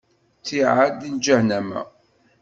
Ttiɛad di ǧahennama.